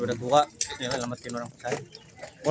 udah tua nyelamatkan orang tua